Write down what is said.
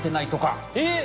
えっ！